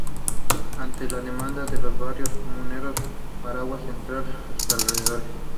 Atiende la demanda de los barrios Comuneros, Veraguas Central y sus alrededores.